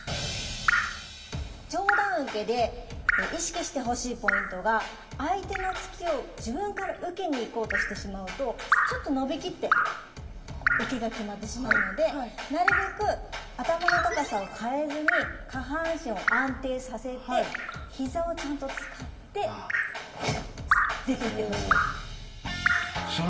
上段受けで意識してほしいポイントが相手の突きを自分から受けに行こうとしてしまうとちょっと伸びきって受けが決まってしまうのでなるべく頭の高さを変えずに下半身を安定させて膝をちゃんと使って出ていってほしいです。